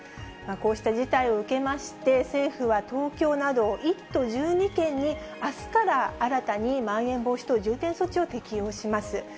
こうした事態を受けまして、政府は東京など１都１２県にあすから新たにまん延防止等重点措置を適用します。